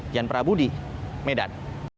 jan prabudi medan